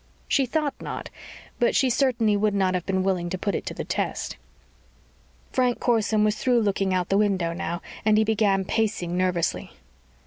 She thought not, but she certainly would not have been willing to put it to the test. Frank Corson was through looking out the window now and he began pacing nervously.